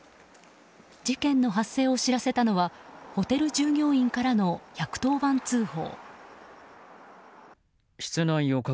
事件の発生を知らせたのはホテル従業員からの１１０番通報。